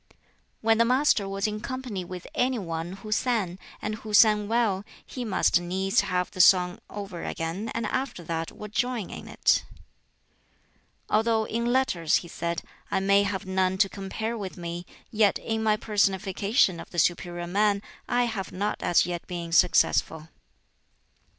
When the Master was in company with any one who sang, and who sang well, he must needs have the song over again, and after that would join in it. "Although in letters," he said, "I may have none to compare with me, yet in my personification of the 'superior man' I have not as yet been successful."